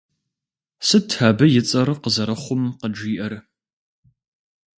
Сыт абы и цӀэр къызэрыхъум къыджиӀэр?